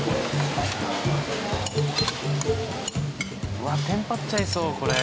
うわテンパっちゃいそうこれ。